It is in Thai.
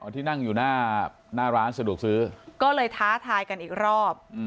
ที่นั่งอยู่หน้าร้านสะดวกซื้อก็เลยท้าทายกันอีกรอบ